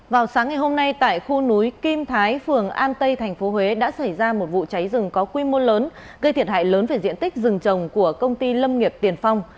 vào sáng ngày hôm nay tại khu núi kim thái phường an tây tp huế đã xảy ra một vụ cháy rừng có quy mô lớn gây thiệt hại lớn về diện tích rừng trồng của công ty lâm nghiệp tiền phong